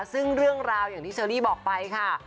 ซึ่งเรื่องราวอย่างที่เชอรี่บอกไปค่ะ